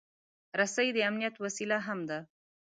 رسۍ د امنیت وسیله هم ده.